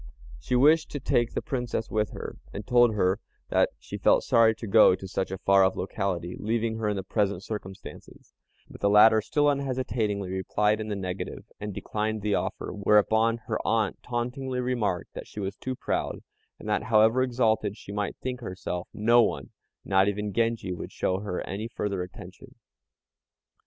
She wished to take the Princess with her, and told her that she felt sorry to go to such a far off locality, leaving her in her present circumstances; but the latter still unhesitatingly replied in the negative, and declined the offer; whereupon her aunt tauntingly remarked that she was too proud, and that, however exalted she might think herself, no one, not even Genji, would show her any further attention.